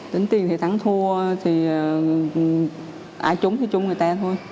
tính tiền thì thắng thua thì ai trúng thì chung người ta thôi